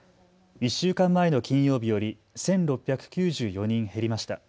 １週間前の金曜日より１６９４人減りました。